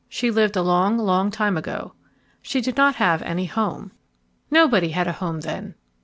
She lived a long, long time ago. She did not have any home. Nobody had a home then.